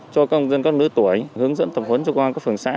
cho công dân các lứa tuổi hướng dẫn tập huấn cho công an các phường xã